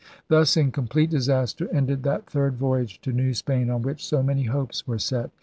Thus, in complete disaster, ended that third voyage to New Spain on which so many hopes were set.